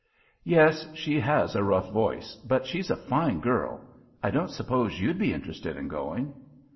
"Yes, she has a rough voice, but she's a fine girl. I don't suppose you'd be interested in going?"